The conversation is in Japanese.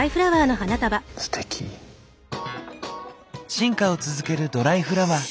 進化を続けるドライフラワー。